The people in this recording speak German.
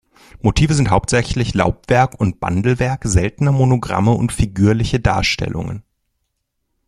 Motive sind hauptsächlich Laubwerk und Bandelwerk, seltener Monogramme und figürliche Darstellungen.